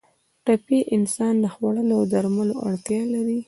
ټپي انسان د خوړو او درملو اړتیا لري.